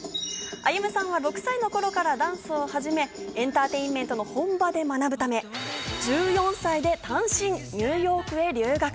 Ａｙｕｍｕさんは６歳の頃からダンスを始め、エンターテインメントの本場で学ぶため、１４歳で単身ニューヨークへ留学。